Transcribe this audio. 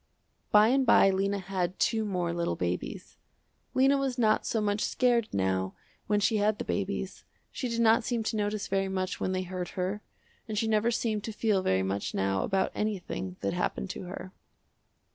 By and by Lena had two more little babies. Lena was not so much scared now when she had the babies. She did not seem to notice very much when they hurt her, and she never seemed to feel very much now about anything that happened to her.